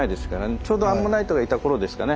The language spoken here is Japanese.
ちょうどアンモナイトがいた頃ですかね。